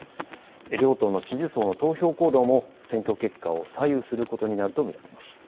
両党の支持層の投票行動も選挙結果を左右することになると見られます。